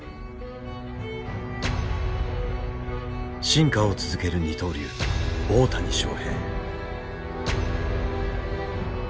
進化を続ける二刀流大谷翔平。